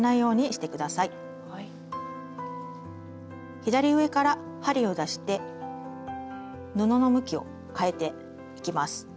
左上から針を出して布の向きを変えていきます。